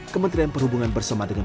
kementerian perhubungan bersama dengan